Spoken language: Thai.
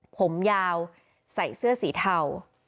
ผมยาวใส่เสื้อสีเทา